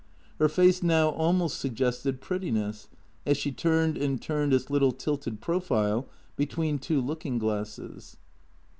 Her face now almost suggested prettiness, as she turned and turned its little tilted profile between two looking glasses.